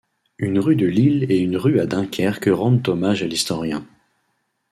Une rue de Lille et une rue à Dunkerque rendent hommage à l'historien.